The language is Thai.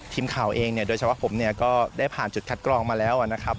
ทีมข่าวเองเนี่ยโดยเฉพาะผมเนี่ยก็ได้ผ่านจุดคัดกรองมาแล้วนะครับ